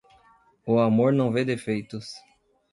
O amor não vê defeitos.